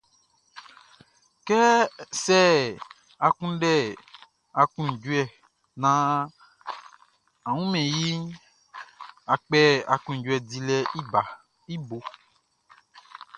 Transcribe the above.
Sɛ a kunndɛ aklunjuɛ naan a wunmɛn iʼn, a kpɛ aklunjuɛ dilɛʼn i bo.